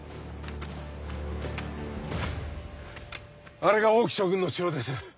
あれが王騎将軍の城です。